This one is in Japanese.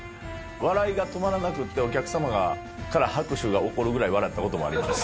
笑いが止まらなくてお客様から拍手が起こるぐらい笑ったこともあります。